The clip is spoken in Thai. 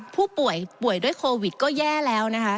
ผู้ป่วยป่วยด้วยโควิดก็แย่แล้วนะคะ